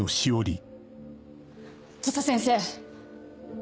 土佐先生。